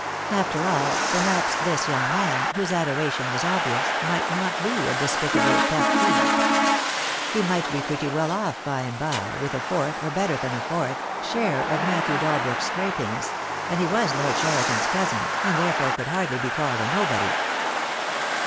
After all, perhaps, this young man, whose adoration was obvious, might not be a despicable partie. He might be pretty well off by and by, with a fourth, or better than a fourth, share of Matthew Dalbrook's scrapings — and he was Lord Cheriton's cousin, and therefore could hardly be called a nobody.